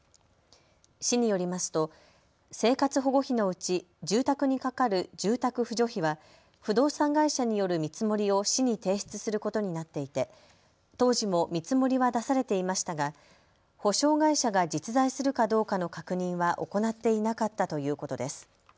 市によりますと生活保護費のうち住宅にかかる住宅扶助費は不動産会社による見積もりを市に提出することになっていて当時も見積もりは出されていましたが保証会社が実在するかどうかの確認は行っていなかったということです。